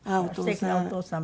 すてきなお父様。